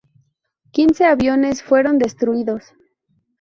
Quince aviones fueron destruidos.